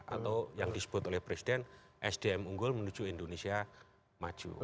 atau yang disebut oleh presiden sdm unggul menuju indonesia maju